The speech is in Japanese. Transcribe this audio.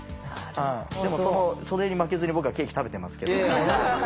でもそれに負けずに僕はケーキ食べてますけど。